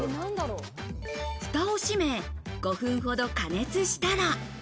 蓋を閉め５分ほど加熱したら。